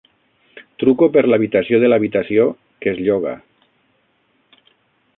Truco per l'habitació de l'habitació que es lloga.